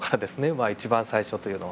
まあ一番最初というのは。